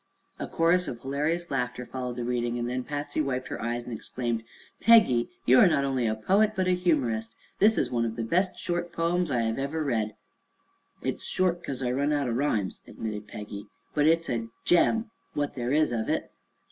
'" A chorus of hilarious laughter followed the reading, and then Patsy wiped her eyes and exclaimed: "Peggy, you are not only a poet but a humorist. This is one of the best short poems I ever read." "It's short 'cause I run out o' rhymes," admitted Peggy. "But it's a gem, what there is of it."